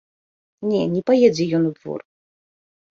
Не, не паедзе ён у двор.